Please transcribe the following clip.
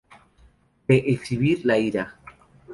De exhibir la ira.